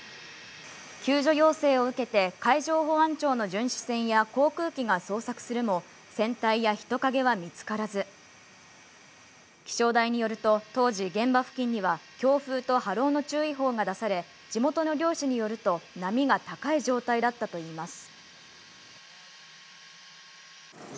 救助要請を受けて、海上保安庁の巡視船や航空機が捜索するも、船体や人影は見つからず、気象台によると当時現場付近では強風と波浪の注意報が出され、地元の漁師によると波が高い状態だったといいます。